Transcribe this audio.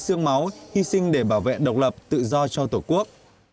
sương máu hy sinh để bảo vệ độc lập tự do cho tổ quốc